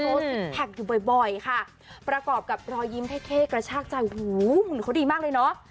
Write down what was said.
ซิกแพคอยู่บ่อยค่ะประกอบกับรอยยิ้มเท่กระชากใจโอ้โหหุ่นเขาดีมากเลยเนาะ